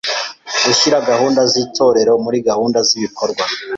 Gushyira gahunda z’Itorero muri gahunda z’ibikorwa